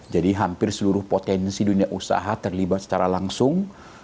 jadi hampir seluruh potensi dunia usaha terlibat secara langsung